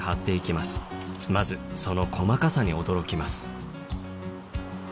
まずその細かさに驚きます